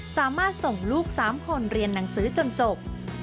สามารถส่งลูก๓คนเรียนหนังสือจนจบ